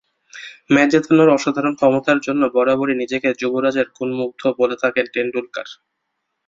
Match জেতানোর অসাধারণ ক্ষমতার জন্য বরাবরই নিজেকে যুবরাজের গুণমুগ্ধ বলে থাকেন টেন্ডুলকার।